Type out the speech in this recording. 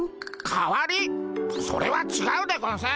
それはちがうでゴンス。